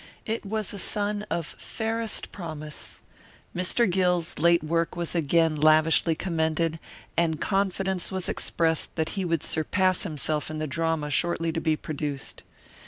It was a sun of fairest promise. Mr. Gill's late work was again lavishly commended, and confidence was expressed that he would surpass himself in the drama shortly to be produced.